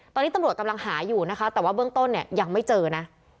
ตอนนี้ตำรวจกำลังหาอยู่นะคะแต่ว่าเบื้องต้นเนี่ยยังไม่เจอนะ